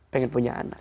pengen punya anak